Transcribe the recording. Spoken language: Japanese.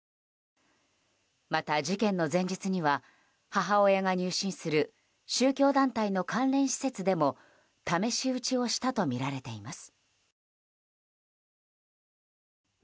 また、事件の前日には母親が入信する宗教団体の関連施設でも試し撃ちをしたとみられています。